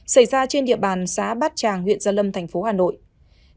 xảy ra trên địa bàn xã bát tràng huyện gia lâm thành phố hà nội